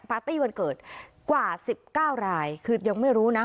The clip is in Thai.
ตี้วันเกิดกว่าสิบเก้ารายคือยังไม่รู้นะ